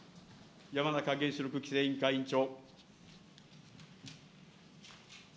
山中原子力規制委員会委員長。